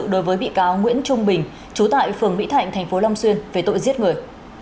đối với bị cáo nguyễn trung bình chú tại phường mỹ thạnh tp long xuyên về tội giết người